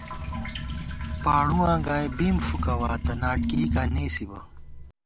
پاڑُواں گائی بِیم فُوکَوا، تہ ناٹ کېئیکاں نېسِبہ